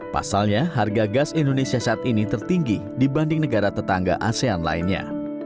pasalnya harga gas indonesia saat ini tertinggi dibanding negara tetangga asean lainnya